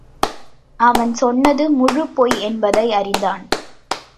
அவன் சொன்னது முழுப் பொய் என்பதை அறிந்தான்.